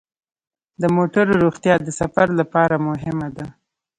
د موټرو روغتیا د سفر لپاره مهمه ده.